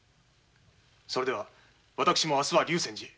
それでは私も明日は竜仙寺に。